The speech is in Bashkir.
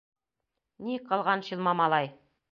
Ни ҡылған шилма малай?